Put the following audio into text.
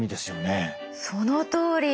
そのとおり！